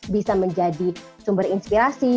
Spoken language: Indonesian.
bisa menjadi sumber inspirasi